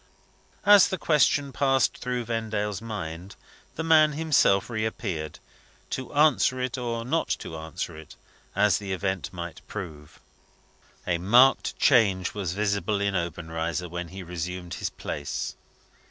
As the question passed through Vendale's mind, the man himself reappeared to answer it, or not to answer it, as the event might prove. A marked change was visible in Obenreizer when he resumed his place.